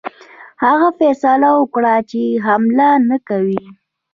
هغه فیصله وکړه چې حمله نه کوي.